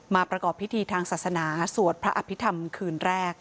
ประกอบพิธีทางศาสนาสวดพระอภิษฐรรมคืนแรก